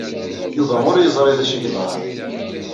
Yuba ur yeẓri d acu ay yeḍran.